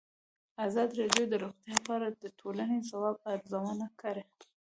ازادي راډیو د روغتیا په اړه د ټولنې د ځواب ارزونه کړې.